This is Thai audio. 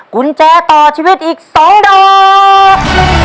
กุญแจต่อชีวิตอีก๒ดอก